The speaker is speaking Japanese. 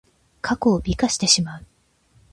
過去を美化してしまう。